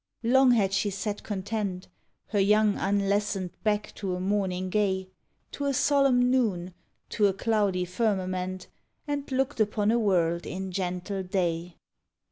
Long had she sat content, Her young unlessoned back to a morning gay, To a solemn noon, to a cloudy firmament, And looked upon a world in gentle day.